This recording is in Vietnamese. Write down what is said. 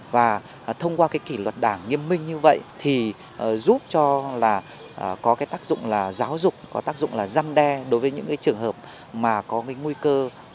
và thông qua cái kỷ luật đảng nghiêm minh như vậy thì giúp cho là có cái tác dụng là giáo dục có tác dụng là giăn đe đối với những cái trường hợp mà có cái nguy cơ